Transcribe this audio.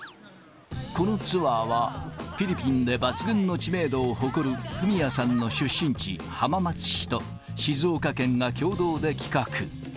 このツアーは、フィリピンで抜群の知名度を誇るふみやさんの出身地、浜松市と静岡県が共同で企画。